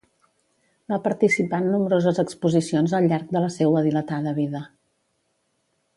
Va participar en nombroses exposicions al llarg de la seua dilatada vida.